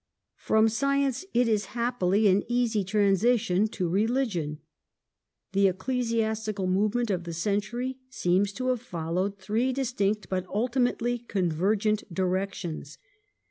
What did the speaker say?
^ From Science it is, happily, an easy transition to Religion. The ecclesiastical movement of the century seems to have followed three distinct but ultimately convergent directions.